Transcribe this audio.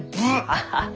アハハ！